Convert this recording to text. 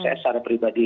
saya secara pribadi